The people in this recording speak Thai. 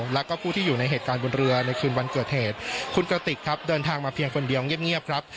แล้วก็ผู้ที่อยู่ในเหตุการณ์บนเรือในคืนวันเกิดเหตุคุณกระติกครับเดินทางมาเพียงคนเดียวเงียบครับ